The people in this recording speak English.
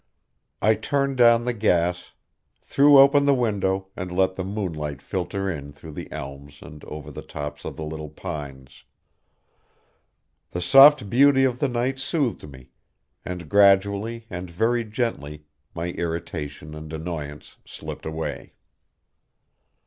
I turned down the gas, threw open the window and let the moonlight filter in through the elms and over the tops of the little pines. The soft beauty of the night soothed me, and gradually and very gently my irritation and annoyance slipped away.